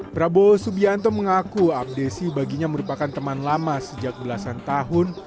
prabowo subianto mengaku abdesi baginya merupakan teman lama sejak belasan tahun